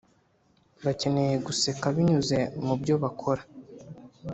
bakeneye guseka binyuze mu byo bakora.